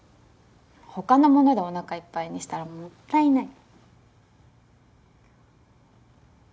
他のものでおなかいっぱいにしたらもったいない。